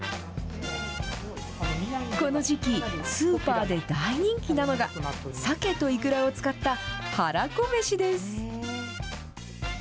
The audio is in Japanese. この時期、スーパーで大人気なのが、鮭とイクラを使ったはらこ飯です。